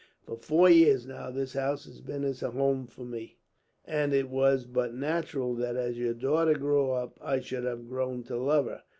For four years, now, this house has been as a home to me; and it was but natural that, as your daughter grew up, I should have grown to love her.